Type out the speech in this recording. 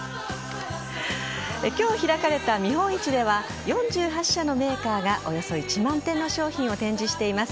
今日開かれた見本市では４８社のメーカーがおよそ１万点の商品を展示しています。